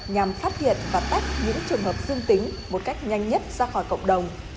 nhằm phát hiện và tách những trường hợp dương tính một cách nhanh nhất ra khỏi cộng đồng